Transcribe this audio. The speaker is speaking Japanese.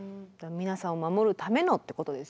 皆さんを守るためのってことですよね。